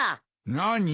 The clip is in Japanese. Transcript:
何？